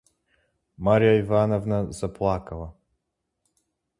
Марья Ивановна заплакала.